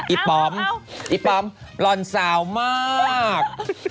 อีปอมอีปอมรอนสาวมาก